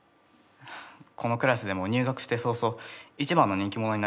このクラスでも入学して早々一番の人気者になりました。